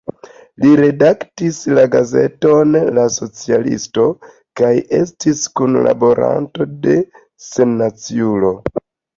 Li redaktis la gazeton "La Socialisto" kaj estis kunlaboranto de "Sennaciulo.